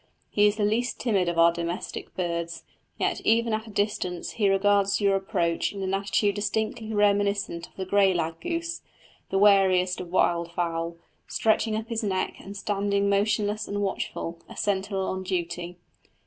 He is the least timid of our domestic birds, yet even at a distance he regards your approach in an attitude distinctly reminiscent of the grey lag goose, the wariest of wild fowl, stretching up his neck and standing motionless and watchful, a sentinel on duty.